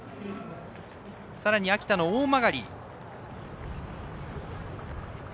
さらに秋田の大曲。